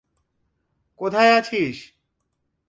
কোথায় আছিস?